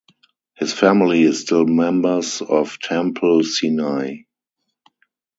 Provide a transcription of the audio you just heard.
His family is still members of Temple Sinai.